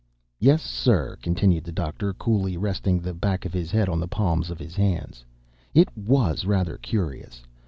"Yes, sir," continued the Doctor, coolly resting the back of his head on the palms of his hands, "it WAS rather curious.